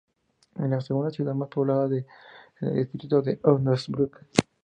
Es la segunda ciudad más poblada en el distrito de Osnabrück.